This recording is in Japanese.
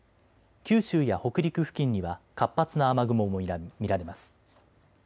九州や北陸付近には活発な雨雲も見られます。